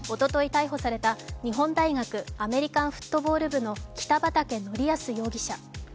逮捕された日本大学アメリカンフットボール部の北畠成文容疑者。